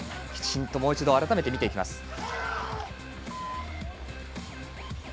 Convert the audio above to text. もう一度、改めて見ていきます。